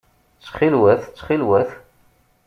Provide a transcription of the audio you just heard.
Ttxil-wet! Ttxil-wet!